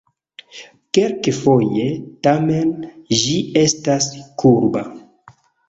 Kelkfoje, tamen, ĝi estas kurba.